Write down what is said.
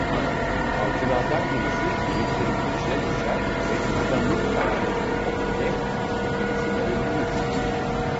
Avcılardan birisi geyiklerin peşine düşer ve ucuna mıh taktığı bir ok ile birisini öldürür.